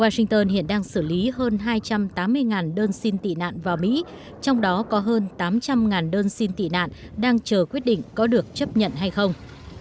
washington hiện đang xử lý hơn hai trăm tám mươi đơn xin tị nạn vào mỹ trong đó có hơn tám trăm linh đơn xin tị nạn đang chờ quyết định có được chấp nhận hay không